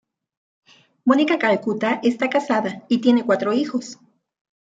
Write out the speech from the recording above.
Mónica Calcutta está casada y tiene cuatro hijos.